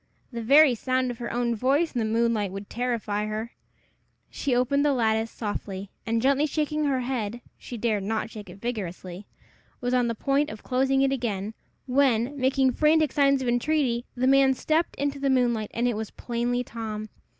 The very sound of her own voice in the moonlight would terrify her. She opened the lattice softly, and gently shaking her head she dared not shake it vigorously was on the point of closing it again, when, making frantic signs of entreaty, the man stepped into the moonlight, and it was plainly Tom.